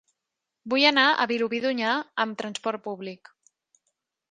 Vull anar a Vilobí d'Onyar amb trasport públic.